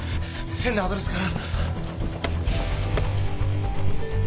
変なアドレスから。